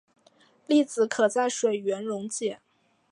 粒子可在水源溶解。